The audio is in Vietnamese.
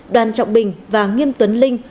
đoàn trọng bình và nghiêm tuấn linh